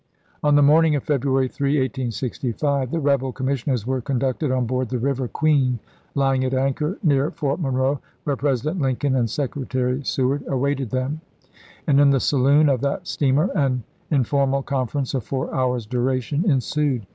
118 ABRAHAM LINCOLN chap. vi. On the morning of February 3, 1865, the rebel commissioners were conducted on board the River Queen, lying at anchor near Fort Monroe, where President Lincoln and Secretary Seward awaited i86& them ; and in the saloon of that steamer an infor mal conference of four hours' duration ensued.